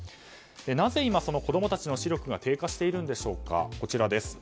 なぜ今、子供たちの視力が低下しているんでしょうか。